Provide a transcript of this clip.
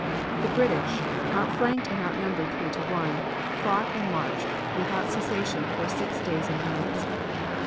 The British, outflanked and outnumbered three to one, fought and marched without cessation for six days and nights.